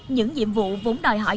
những nhiệm vụ vốn đòi hỏi